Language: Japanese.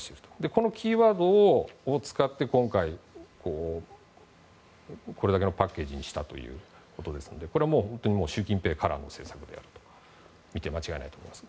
このキーワードを使って今回、これだけのパッケージにしたということですのでこれは、習近平からの政策で間違いないと思います。